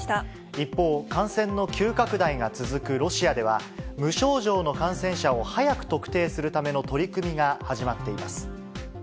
一方、感染の急拡大が続くロシアでは、無症状の感染者を早く特定するための取り組みが始まっています。